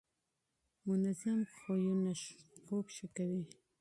منظم عادتونه خوب ښه کوي.